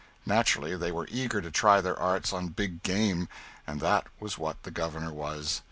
Naturally they were eager to try their arts on big game, and that was what the Governor was.